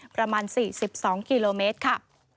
ประมาณ๔๒กิโลเมตรค่ะ